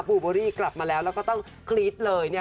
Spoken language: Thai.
ูเบอรี่กลับมาแล้วแล้วก็ต้องกรี๊ดเลย